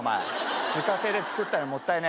自家製で作ったのにもったいねえ。